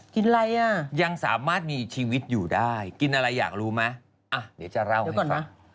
อะไรอ่ะยังสามารถมีชีวิตอยู่ได้กินอะไรอยากรู้ไหมอ่ะเดี๋ยวจะเล่าให้ฟัง